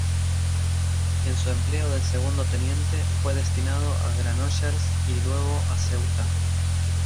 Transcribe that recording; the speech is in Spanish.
En su empleo de segundo teniente, fue destinado a Granollers y luego a Ceuta.